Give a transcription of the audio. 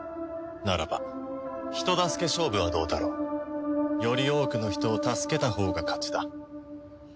ならば人助け勝負はどうだろう？より多くの人を助けたほうが勝ちだ。